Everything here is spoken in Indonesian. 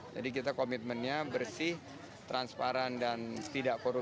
jadi kita komitmennya bersih transparan dan tidak kusus